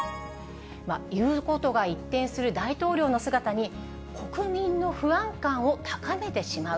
言うことが一転する大統領の姿に、国民の不安感を高めてしまう。